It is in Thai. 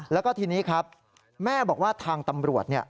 แล้วก็ทีนี้ครับแม่บอกว่าทางตำรวจ